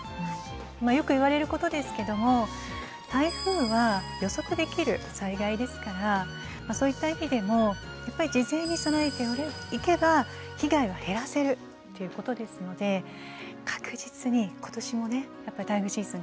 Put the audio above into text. よく言われることですけども台風は予測できる災害ですからそういった意味でも事前に備えていけば被害は減らせるということですので確実に今年もね台風シーズン